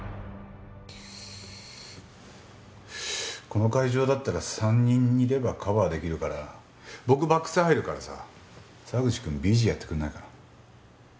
この会場だったら３人いればカバー出来るから僕バックス入るからさ沢口くんＢＧやってくんないかな？